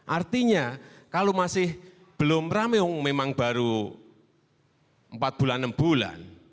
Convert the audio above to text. artinya kalau masih belum rame memang baru empat bulan enam bulan